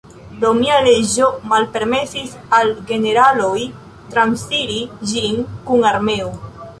Romia leĝo malpermesis al generaloj transiri ĝin kun armeo.